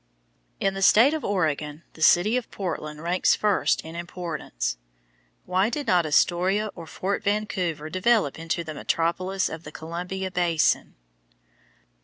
In the state of Oregon, the city of Portland ranks first in importance. Why did not Astoria or Fort Vancouver develop into the metropolis of the Columbia basin?